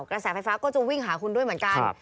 กระแสไฟฟ้าก็จะวิ่งหาคุณด้วยเหมือนกัน